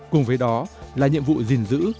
cùng với đó là nhiệm vụ gìn giữ